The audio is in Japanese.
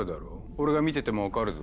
俺が見てても分かるぞ。